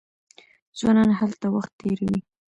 ځوانان هلته وخت تیروي.